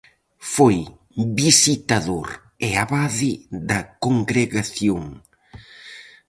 Foi visitador e abade da congregación.